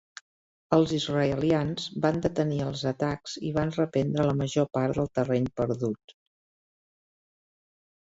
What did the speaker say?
Els israelians van detenir els atacs i van reprendre la major part del terreny perdut.